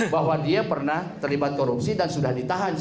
bahwa dia pernah terlibat korupsi dan sudah ditahan